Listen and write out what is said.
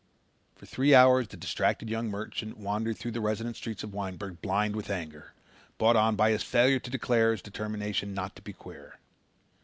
For three hours the distracted young merchant wandered through the resident streets of Winesburg blind with anger, brought on by his failure to declare his determination not to be queer.